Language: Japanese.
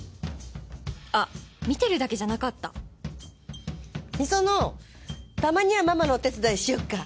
あっ見てるだけじゃなかった美園たまにはママのお手伝いしよっか。